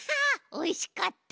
おいしかった。